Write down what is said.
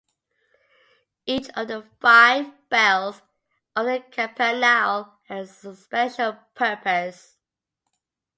Each of the five bells of the campanile had a special purpose.